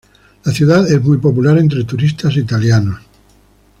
La ciudad es muy popular entre turistas italianos.